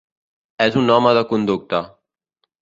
És un home de conducta.